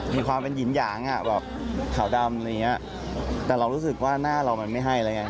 มีความเป็นหิมหยางอ่ะแบบขาวดำอะไรอย่างเงี้ยแต่เรารู้สึกว่าหน้าเรามันไม่ให้แล้วไง